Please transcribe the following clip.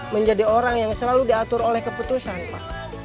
menjadi orang yang selalu diatur oleh keputusan pak